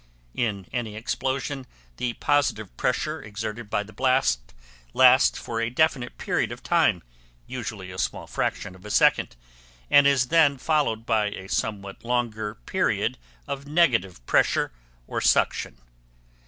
In any explosion, the positive pressure exerted by the blast lasts for a definite period of time (usually a small fraction of a second) and is then followed by a somewhat longer period of negative pressure, or suction.